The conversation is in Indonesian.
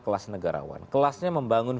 kelas negarawan kelasnya membangun